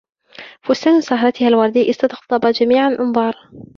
فستان سهرتها الوردي استقطب جميع الأنظار.